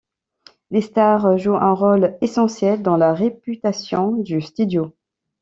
Les stars jouent un rôle essentiel dans la réputation du studio.